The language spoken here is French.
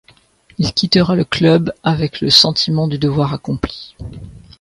Il quittera le club avec le sentiment du devoir accompli.